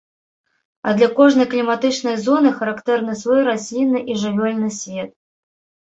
А для кожнай кліматычнай зоны характэрны свой раслінны і жывёльны свет.